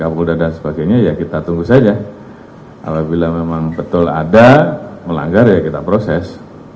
apabila memang betul ada melanggar ya kita proses